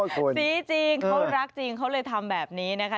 สีจริงเขารักจริงเขาเลยทำแบบนี้นะคะ